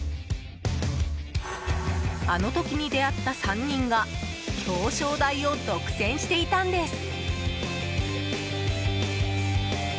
あの時に出会った３人が表彰台を独占していたんです。